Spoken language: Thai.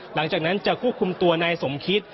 หลังจากนั้นจะควบคุมตัวนายสมคิต